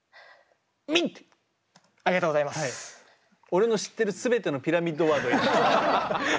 俺の知ってる全てのピラミッドワード入れた。